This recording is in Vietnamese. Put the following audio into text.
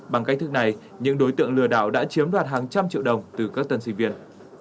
bằng cách thức này những đối tượng lừa đảo đã chiếm đoạt hàng trăm triệu đồng từ các tân sinh viên